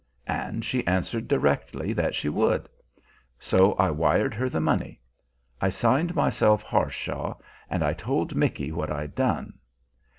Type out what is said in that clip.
and she answered directly that she would. So I wired her the money. I signed myself Harshaw, and I told Micky what I'd done.